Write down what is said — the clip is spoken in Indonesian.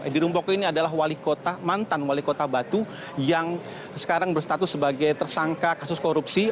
edi rumpoko ini adalah mantan wali kota batu yang sekarang berstatus sebagai tersangka kasus korupsi